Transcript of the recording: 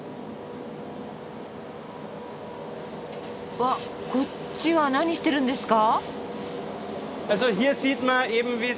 わっこっちは何してるんですか？